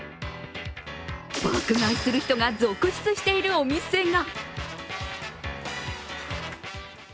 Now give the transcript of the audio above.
爆買いする人が続出しているお店が。